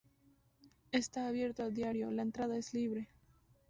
Está abierto a diario, la entrada es libre.